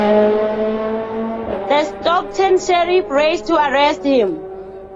The Stockton Sheriff raced to arrest him.